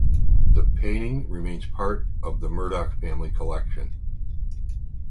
The painting remains part of the Murdoch family collection.